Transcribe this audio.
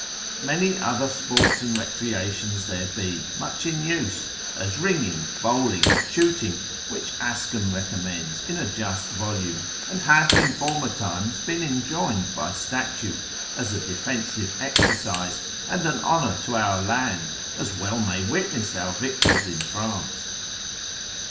Many other sports and recreations there be, much in use, as ringing, bowling, shooting, which Ascam recommends in a just volume, and hath in former times been enjoined by statute, as a defensive exercise, and an honour to our land, as well may witness our victories in France.